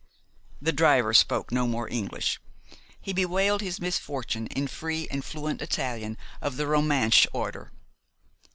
The driver spoke no more English. He bewailed his misfortune in free and fluent Italian of the Romansch order.